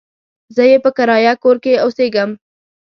زه يې په کرايه کور کې اوسېږم.